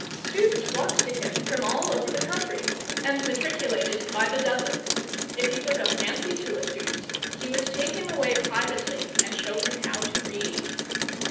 Students flocked to him from all over the country, and matriculated by the dozen. If he took a fancy to a student, he would take him away privately and show him how to read.